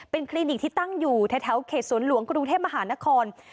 คลินิกที่ตั้งอยู่แถวเขตสวนหลวงกรุงเทพมหานคร